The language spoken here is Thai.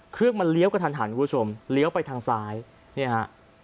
เครื่องมันเลี้ยวกระทันหันคุณผู้ชมเลี้ยวไปทางซ้ายเนี่ยฮะ